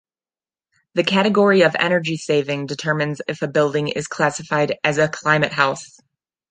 The category of energy saving, determines if a building is classified as a ClimateHouse.